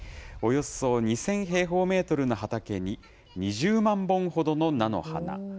およそ２０００平方メートルの畑に、２０万本ほどの菜の花。